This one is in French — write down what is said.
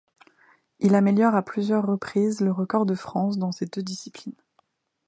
Il améliore à plusieurs reprises le record de France dans ces deux disciplines.